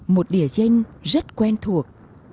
một địa danh rất quen thuộc